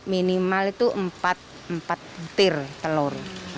minimal itu empat tir telur